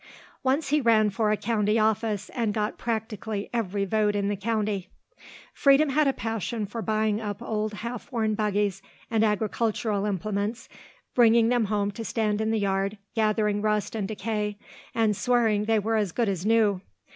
Once he ran for a county office and got practically every vote in the county. Freedom had a passion for buying up old half worn buggies and agricultural implements, bringing them home to stand in the yard, gathering rust and decay, and swearing they were as good as new.